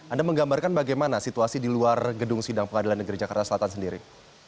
anda menggambarkan bagaimana situasi di luar gedung sidang pengadilan negeri jakarta selatan sendiri